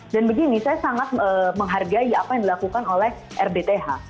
dan begini saya sangat menghargai apa yang dilakukan oleh rbth